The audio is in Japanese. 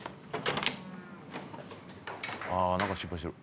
ああなんか心配してる。